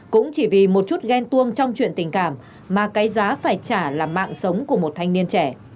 cũng chỉ vì một chút ghen tuông trong chuyện tình cảm mà cái giá phải trả là mạng sống của một thanh niên trẻ